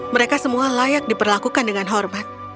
mereka semua layak diperlakukan dengan hormat